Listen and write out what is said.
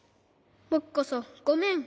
ぼくこそごめん。